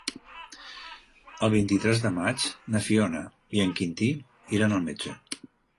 El vint-i-tres de maig na Fiona i en Quintí iran al metge.